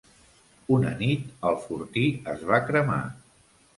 Una nit, el fortí es va cremar.